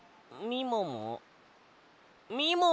みもも？